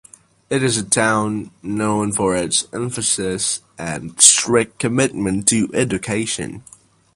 It is a town known for its emphasis and strict commitment to education.